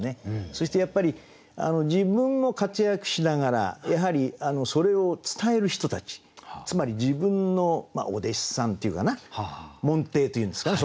そしてやっぱり自分も活躍しながらやはりそれを伝える人たちつまり自分のお弟子さんというかな門弟というんですかね